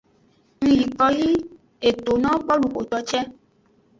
Ngyiko yi eto no boluxoto ce.